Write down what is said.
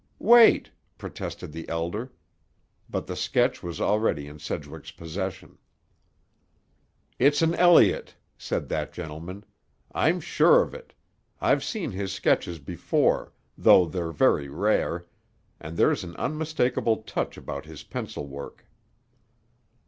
"Wait," protested the Elder. But the sketch was already in Sedgwick's possession. "It's an Elliott," said that gentleman. "I'm sure of it. I've seen his sketches before—though they're very rare—and there's an unmistakable touch about his pencil work."